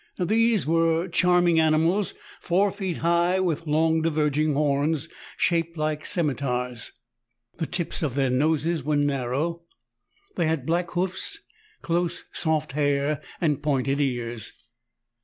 These were charm ing animals, four feet high, with long diverging horns shaped like scimitars. The tips of their noses were narrow ; they had black hoofs, close soft hair, and pointed ears.